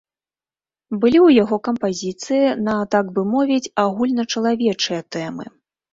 Былі ў яго кампазіцыі на, так бы мовіць, агульначалавечыя тэмы.